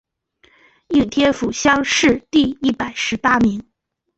应天府乡试第一百十八名。